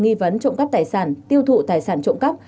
nghi vấn trộm cắt tài sản tiêu thụ tài sản trộm cắt